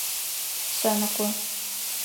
Шъэныкъо.